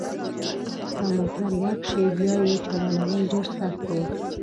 که موټر یخ شي بیا یې چالانول ډیر سخت وي